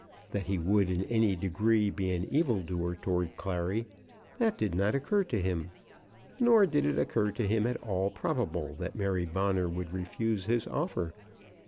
That he would in any degree be an evil doer towards Clary, that did not occur to him. Nor did it occur to him as at all probable that Mary Bonner would refuse his offer.